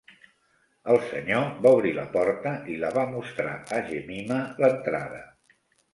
El senyor va obrir la porta i la va mostrar a Jemima l'entrada.